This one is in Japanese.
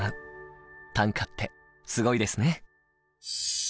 短歌ってすごいですね。